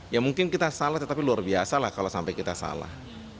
ya mungkin kita salah tetapi luar biasa lah kalau sampai kita salah